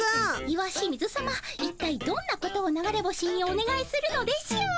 石清水さまいったいどんなことを流れ星におねがいするのでしょう。